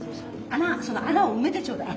その穴を埋めてちょうだい。